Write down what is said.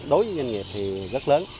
đối với doanh nghiệp thì rất lớn